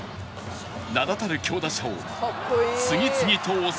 名だたる強打者を次々と抑え